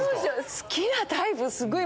⁉好きなタイプすごい今。